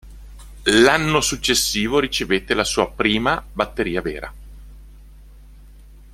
L'anno successivo ricevette la sua prima batteria vera.